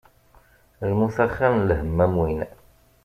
Lmut axir n lhemm am win.